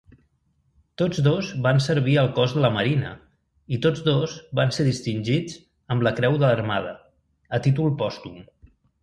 Tots dos van servir al Cos de la Marina, i tots dos van ser distingits amb la Creu de l'Armada, a títol pòstum.